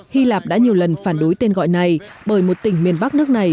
hy lạp đã nhiều lần phản đối tên gọi này bởi một tỉnh miền bắc nước này